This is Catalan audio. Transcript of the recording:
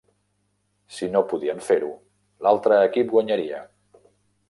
Si no podien fer-ho, l'altre equip guanyaria.